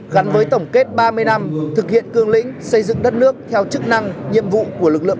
gắn với tổng kết ba mươi năm thực hiện cương lĩnh xây dựng đất nước theo chức năng nhiệm vụ của lực lượng